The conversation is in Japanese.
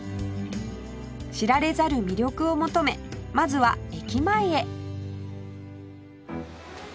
知られざる魅力を求めまずは駅前へ